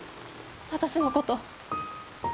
私のこと。